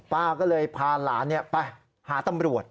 ป้าก็เลยพาหลานไปหาตำรวจ